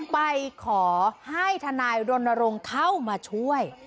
ไปขอให้ทนายรณรงค์เข้ามาช่วย